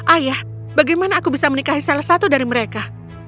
ayah bagaimana aku bisa menikahi salah satu dari mereka